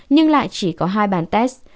nhưng lại chỉ có hai bàn test